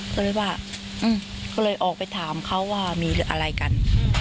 ก็เลยว่าก็เลยออกไปถามเขาว่ามีอะไรกัน